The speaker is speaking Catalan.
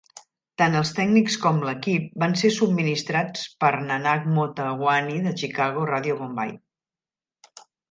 Tant els tècnics com l'equip van ser subministrats per Nanak Motawani de Chicago Radio, Bombai.